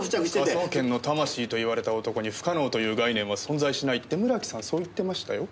科捜研の魂と言われた男に不可能という概念は存在しないって村木さんそう言ってましたよ？